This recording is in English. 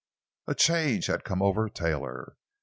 A change had come over Taylor.